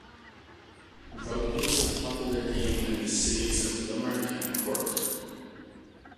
Rugby is a popular game in the cities of Limerick and Cork.